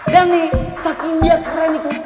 dan nih saking dia keren itu